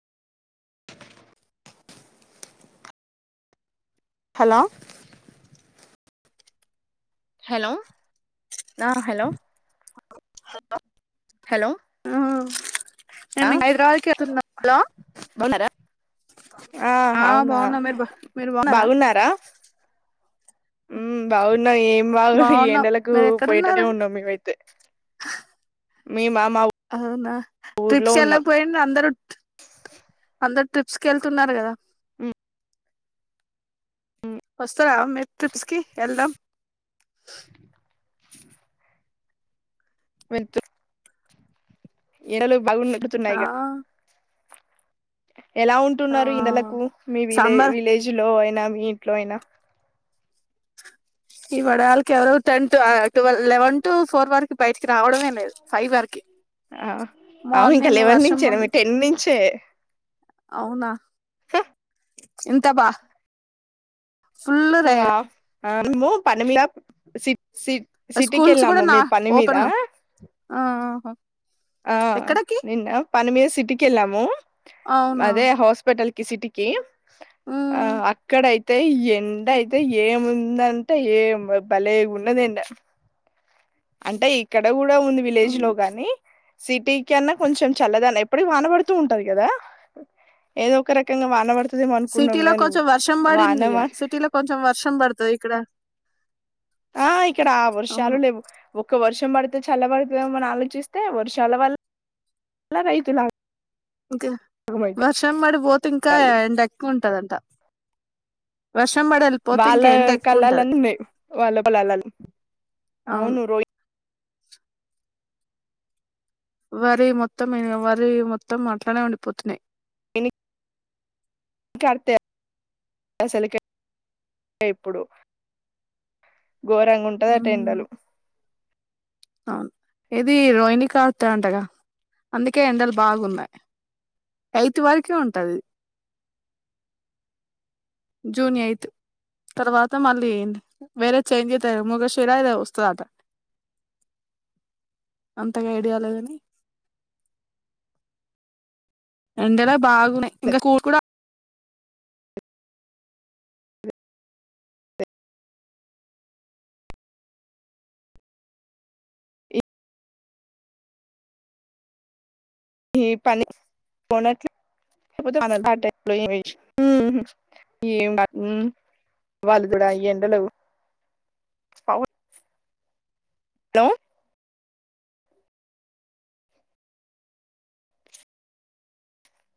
Hello hello ఆ hello hello ఆ మేము హైద్రాబాద్ కు వెళుతున్నాం బాగున్నారా ఆ ఆహా అవునా బాగున్నాం మీరు బా మీరు బాగున్నారా హ్ బాగున్నం ఏం బగు ఈ బాగున్నాం ఏండలకు మీరు పోయేటట్టు ఎక్కడున్నారు ఉన్నాము మేము ఆయితే మే మా అవునా ఊర్లో ట్రిప్స్ ఎలా ఉన్నాం పోయిండ్రు అందరు అందరు ట్రిప్స్ కి వెళ్తున్నారు కదా వస్తారా మీరు ట్రిప్స్ కి వెళ్దాం వెళ్తూ ఎడలేవు బాగున్నాయి ఆ ఎలా ఆ ఉంటున్నారు. ఇ ఏండలకు మీ విలే సాంబార్ విలేజ్ లో అయినా మీ ఇంట్లో అయినా ఈ వడళ్ళకి ఎవరో ten twelve eleven to four వరకు బయటికి రావడమే లేదు ఫైవ్ వరకి ఆ అవును ఇంకా మార్నింగ్ ఎలెవెన్ వర్షం నుంచే పడి మీ టెన్ నుంచే అవునా ఎంత బా ఫుల్ ర [unintelligible] సి స్కూల్స్ కూడా సిటీకెళ్ళాము నా మీ పని మీద ఓపెన్ ఆ ఎక్కడకి నిన్న పని మీద సిటీకెళ్ళము అవునా అదే హోస్పెటల్ కి సిటికి ఆ ఉమ్ అక్కడై తే ఎండ అయితే ఏముందంటే ఏం భ భలే ఉన్నది ఎండ అంటే ఇక్కడ గూడా ఉంది విలేజ్ అవును లో గానీ సిటీ కన్నా కొంచెం చల్లగానే ఇప్పుడికీ వానబడుతూ ఉంటాది గదా ఏదో ఒక రకంగా వానపడుతు సిటీలో కొంచెం వర్షం పడిందిగా వా సిటీలో కొంచెం వర్షం పడుతే ఇక్కడ ఆ ఇక్కడా వర్షాలు అవును లేవు ఒక్క వర్ష్ ర్షం పడితే చల్లబడుతుదేమో అని ఆలోచిస్తే వర్షాల వల్ ల రైతుల ఇంకు వర్షం పడి పోతే ఇంకా ఎండ ఎక్కువ ఉంటదంట వర్ష్ షం పడి ఎళ్ళిపోతే వాళ్ళ ఇంక ఎండ ఎక్కువ ఉంటది కళ్ళాలన్నీ ఉన్నాయి వాళ్ళ పొలాలలో అవును వరి మొత్తం ఇగ వరి మొత్తం అట్లనే ఉండిపోతున్నాయి ఇని క అడితే అసలుకే ఇప్పుడు ఘోరంగుంటాదట ఉమ్ ఎండలు అవును ఎది రోహిణి కార్తె అంటగా అందుకే ఎండలు బాగున్నాయి ఐతు వరకే ఉంటది జూన్ ఎయిత్ తర్వాత మళ్ళీ వేరే చేంజ్ అయితే ముగషిర ఏదో వస్తుదట అంతగా ఐడియా లే గాని ఎండలే బాగున్నయి ఇంక [unintelligible] ఈ పని పోనెట్ల్ [unintelligible] వాళ్ళు కూడా ఈ ఎండలో [unintelligible] లో